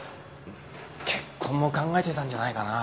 結婚も考えてたんじゃないかな。